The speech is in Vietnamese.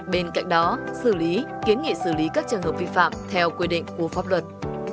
bên cạnh đó xử lý kiến nghị xử lý các trường hợp vi phạm theo quy định của pháp luật